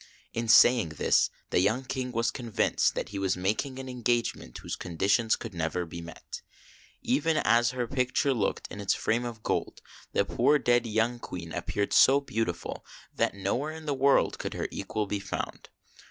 In saying this, the young King was convinced that he was making an engagement whose conditions could never be met. Even as her picture looked in its frame of gold, the poor dead young Queen appeared so beautiful that nowhere in the world could her equal be found.